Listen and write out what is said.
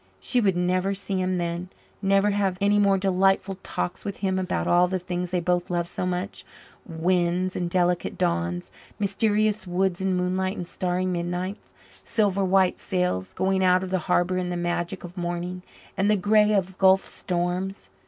She would never see him then, never have any more delightful talks with him about all the things they both loved so much winds and delicate dawns, mysterious woods in moonlight and starry midnights, silver white sails going out of the harbour in the magic of morning, and the grey of gulf storms.